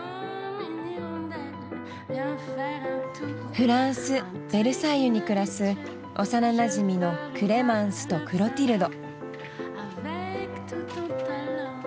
フランス・ベルサイユに暮らす幼なじみのクレマンスとクロティルド。